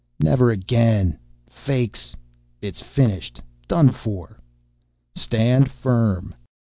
"Never again! Fakes! It's finished, done for!" "Stand firm!"